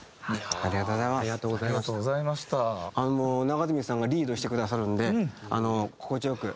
永積さんがリードしてくださるんで心地良く。